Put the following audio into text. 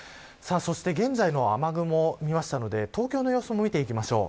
現在の雨雲を見ましたので東京の様子も見ていきます。